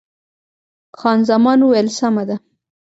خان زمان وویل، سمه ده.